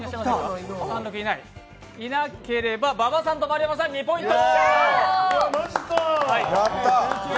いなければ、馬場さんと丸山さん、２ポイント。